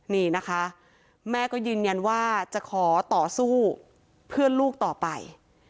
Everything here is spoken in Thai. นี่นะคะแม่ก็ยืนยันว่าจะขอต่อสู้เพื่อนลูกต่อไป